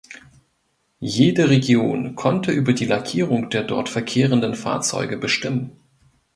Jede Region konnte über die Lackierung der dort verkehrenden Fahrzeuge bestimmen.